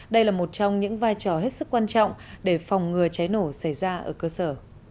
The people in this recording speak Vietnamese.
đây là một trong những vai trò hết sức quan trọng để phòng ngừa cháy nổ xảy ra ở cơ sở